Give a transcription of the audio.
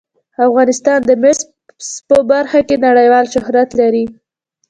افغانستان د مس په برخه کې نړیوال شهرت لري.